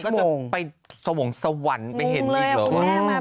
แล้วนางก็จะไปสวงสวรรค์ไปเห็นอีกหรือว่า